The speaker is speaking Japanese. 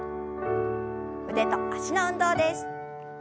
腕と脚の運動です。